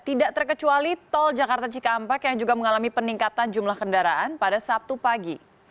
tidak terkecuali tol jakarta cikampek yang juga mengalami peningkatan jumlah kendaraan pada sabtu pagi